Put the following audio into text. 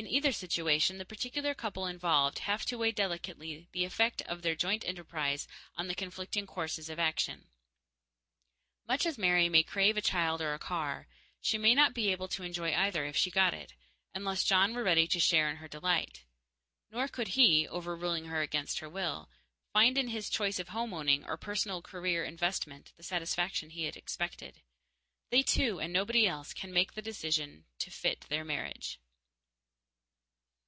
In either situation, the particular couple involved have to weigh delicately the effect on their joint enterprise of the conflicting courses of action. Much as Mary may crave a child or a car, she might not be able to enjoy either if she got it, unless John were ready to share in her delight. Nor could he, overruling her against her will, find in his choice of home owning or personal career investment the satisfaction he had expected. They two, and nobody else, can make the decision to fit their marriage.